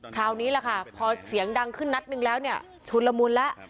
คราวนี้แหละค่ะพอเสียงดังขึ้นนัดหนึ่งแล้วเนี่ยชุนละมุนแล้ว